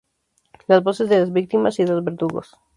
Las voces de las víctimas y de los verdugos".